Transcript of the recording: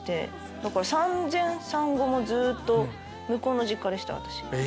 だから産前産後もずっと向こうの実家でした私。